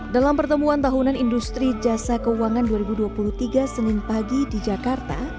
dalam pertemuan tahunan industri jasa keuangan dua ribu dua puluh tiga senin pagi di jakarta